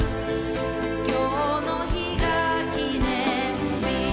「今日の日が記念日」